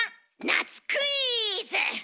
夏クイズ。